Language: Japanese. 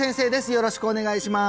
よろしくお願いします